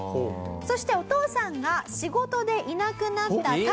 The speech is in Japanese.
そしてお父さんが仕事でいなくなったタイミングを見計らって。